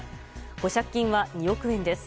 保釈金は２億円です。